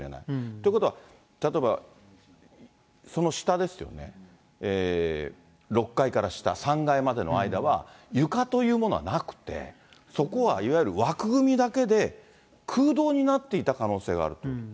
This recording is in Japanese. ということは、例えばその下ですよね、６階から下、３階までの間は、床というのがなくて、そこはいわゆる枠組みだけで、空洞になっていた可能性があると。